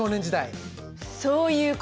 そういうこと！